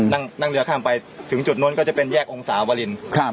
นั่งเรือข้ามไปถึงจุดนู้นก็จะเป็นแยกองศาวรินครับ